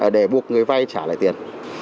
để buộc người vai trả lại tiền